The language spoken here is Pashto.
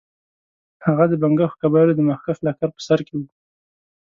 هغه د بنګښو قبایلو د مخکښ لښکر په سر کې وو.